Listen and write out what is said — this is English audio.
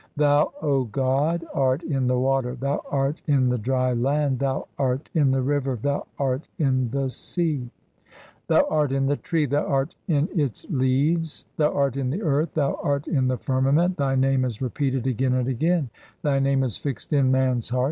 Thou, O God, art in the water, Thou art in the dry land, Thou art in the river, Thou art in the sea, 1 Abhed is often translated inscrutable. 270 THE SIKH RELIGION Thou art in the tree, Thou art in its leaves, Thou art in the earth, Thou art in the firmament. Thy name is repeated again and again, Thy name is fixed in man's heart.